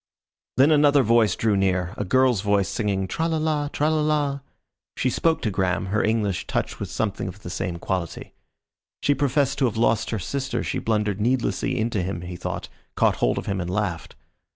Then another voice drew near, a girl's voice singing, "tralala tralala." She spoke to Graham, her English touched with something of the same quality. She professed to have lost her sister, she blundered needlessly into him he thought, caught hold of him and laughed.